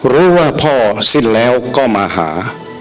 รู้ว่าพ่อสิ้นแล้วก็มาหา